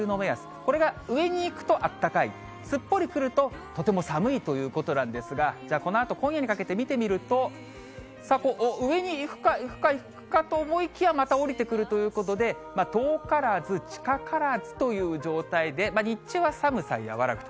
これが上に行くとあったかい、すっぽり来ると、とても寒いということなんですが、じゃあ、このあと、今夜にかけて見てみると、上に行くか、行くか、行くかと思いきや、また下りてくるということで、遠からず近からずという状態で、日中は寒さ和らぐと。